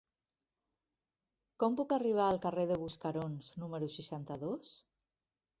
Com puc arribar al carrer de Buscarons número seixanta-dos?